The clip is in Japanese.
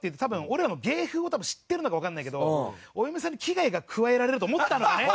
俺らの芸風を知ってるのかわかんないけどお嫁さんに危害が加えられると思ったのかね。